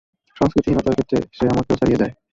সংস্কৃতি-হীনতার ক্ষেত্রে সে আমাকেও ছাড়িয়ে যায়।